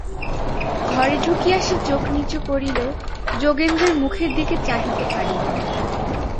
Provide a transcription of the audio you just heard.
ঘরে ঢুকিয়া সে চোখ নিচু করিল, যোগেন্দ্রের মুখের দিকে চাহিতে পারিল না।